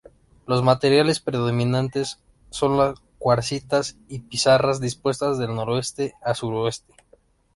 Los materiales predominantes son las cuarcitas y pizarras, dispuestas de noroeste a sureste.